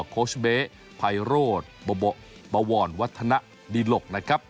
โคชเบ๊ไพโรธบวรวัฒนดิหลกนะครับ